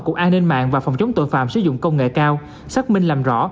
cục an ninh mạng và phòng chống tội phạm sử dụng công nghệ cao xác minh làm rõ